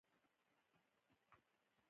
ټیم ورک ولې اغیزمن دی؟